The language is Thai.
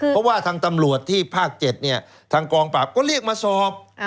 เพราะว่าทางตำรวจที่ภาค๗เนี่ยทางกองปราบก็เรียกมาสอบ